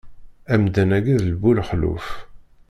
Amdan-agi d bu lekluf.